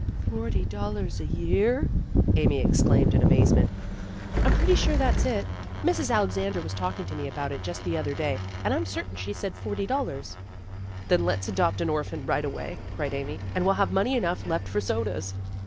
"Forty dollars a year?" Amy exclaimed in amazement. "I'm pretty sure that's it. Mrs. Alexander 102 PEGGY RAYMOND'S WAY was talking to me about it just the other day, and I'm certain she said forty dollars." "Then let's adopt an orphan right away/' cried Amy. "And we'll have money enough left for sodas."